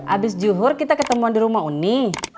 abis juhur kita ketemuan di rumah uni